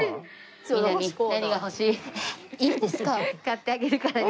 買ってあげるから。